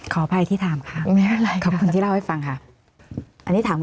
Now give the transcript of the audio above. ขออภัยที่ถามค่ะไม่เป็นไรค่ะขอบคุณที่เล่าให้ฟังค่ะอันนี้ถาม